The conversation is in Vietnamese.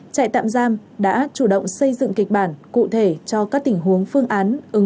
trại tạm giam đã chủ động xây dựng kịch bản cụ thể cho các tình huống phương án ứng